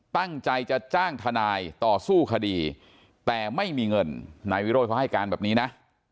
ตั้งใจจะจ้างทนายต่อสู้คดีแต่ไม่มีเงินนายวิโรธเขาให้การแบบนี้นะ